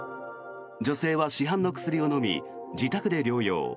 女性は市販の薬を飲み自宅で療養。